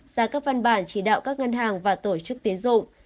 ra các văn bản chỉ đạo các ngân hàng và tổ chức tiến dụng